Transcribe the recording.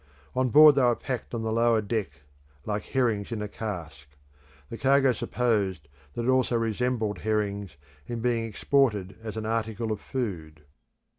On board they were packed on the lower deck like herrings in a cask. The cargo supposed that it also resembled herrings, in being exported as an article of food.